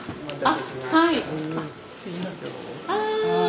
ああ。